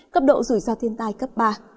cấp độ rủi ro thiên tai cấp ba